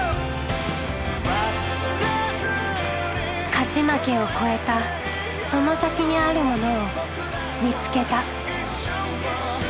勝ち負けを超えたその先にあるものを見つけた。